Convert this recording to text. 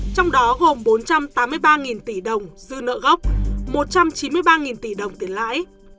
trong đó gồm bốn trăm tám mươi ba tỷ đồng dư nợ gốc một trăm chín mươi ba tỷ đồng tiền lãi